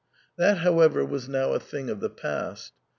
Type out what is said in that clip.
That however was now a thing of the past.